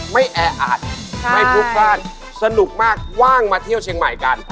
แออัดไม่พลุกพลาดสนุกมากว่างมาเที่ยวเชียงใหม่กัน